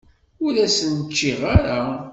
Ur asen-t-ččiɣ ara.